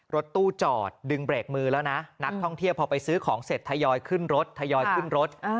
รถตู้จอดดึงเบรกมือแล้วนะนักท่องเที่ยวพอไปซื้อของเสร็จทยอยขึ้นรถทยอยขึ้นรถ